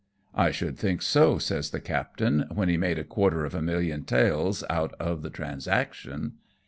" I should think so," says the captain, " when he made a quarter of a million taels out of the transac tion."